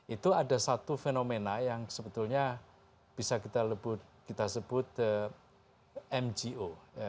itu ada satu fenomena yang sebetulnya bisa kita sebut mgo